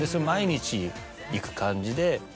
毎日行く感じで。